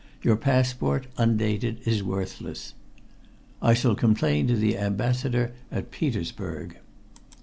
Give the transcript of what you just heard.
Your passport, undated, is worthless." "I shall complain to the Ambassador at Petersburg."